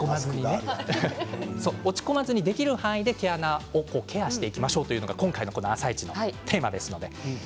落ち込まずにできる範囲で毛穴をケアしていこうというのが今日のテーマです。